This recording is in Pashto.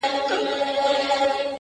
د هوا له لاري صحنه ثبتېږي او نړۍ ته ځي,